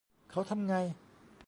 เขาทำไง